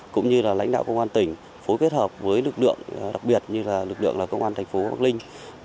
cũng như là lãnh đạo công an tỉnh phối kết hợp với lực lượng đặc biệt như lực lượng công an thành phố bắc linh